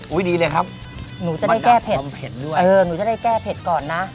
อ๋ออุ้ยดีเลยครับหนูจะได้แก้เผ็ดด้วยเออหนูจะได้แก้เผ็ดก่อนนะ